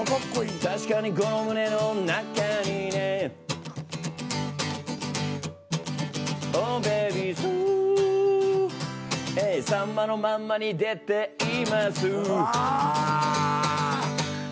確かにこの胸の中にねオーベイビーソーヘイ「さんまのまんま」に出ていますわあっ。